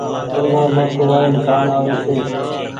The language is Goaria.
ڪنگآ مآٿو وآئم ڪآم آوي ڇي۔